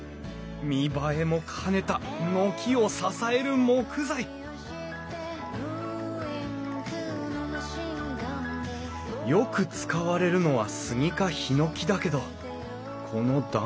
見栄えも兼ねた軒を支える木材よく使われるのはスギかヒノキだけどこの断面。